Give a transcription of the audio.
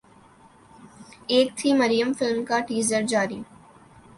ایک تھی مریم فلم کا ٹیزر جاری